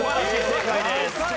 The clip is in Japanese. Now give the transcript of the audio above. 正解です。